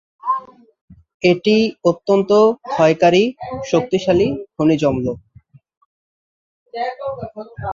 এটি অত্যন্ত ক্ষয়কারী, শক্তিশালী খনিজ অম্ল।